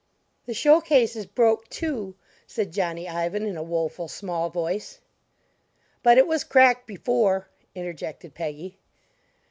"The show case is broked, too," said Johnny Ivan in a woeful, small voice. "But it was cracked before," interjected Peggy.